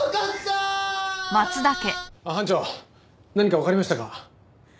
班長何かわかりましたか？